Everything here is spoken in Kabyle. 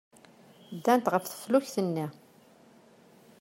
Ddant ɣef teflukt-nni.